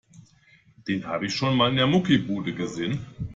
Den habe ich schon mal in der Muckibude gesehen.